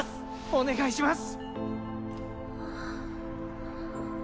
お願いします！